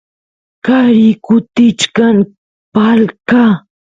qari kutichkan palqa